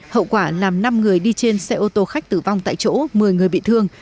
hậu quả làm năm người đi trên xe ô tô khách tử vong tại chỗ một mươi người bị thương